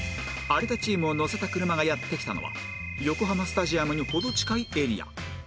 有田チームを乗せた車がやって来たのは横浜スタジアムに程近いエリア